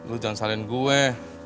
lo jangan salahin gue